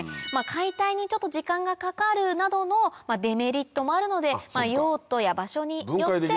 解体にちょっと時間がかかるなどのデメリットもあるので用途や場所によって。